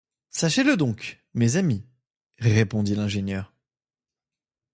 Sachez-le donc, mes amis, répondit l’ingénieur